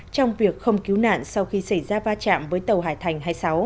trong việc không cứu nạn sau khi xảy ra va chạm với tàu hải thành hai mươi sáu